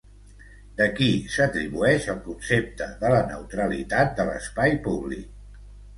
De qui s'atribueix el concepte de la neutralitat de l'espai públic?